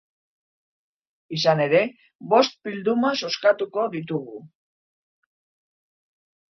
Izan ere, bost bilduma zozkatuko ditugu.